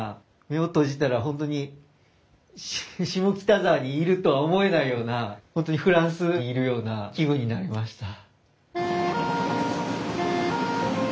目を閉じたらホントに下北沢にいるとは思えないようなホントにフランスにいるような気分になりました。